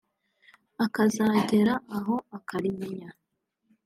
akazagera aho akarimenya